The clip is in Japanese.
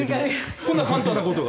こんな簡単なことが。